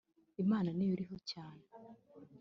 Imana ni yo iriho cyane,